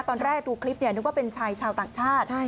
ตอนแรกดูคลิปนึกว่าเป็นชายชาวต่างชาติ